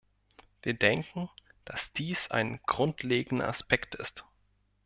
Wir denken, dass dies ein grundlegender Aspekt ist.